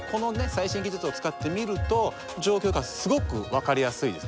最新技術を使って見ると状況がすごく分かりやすいです。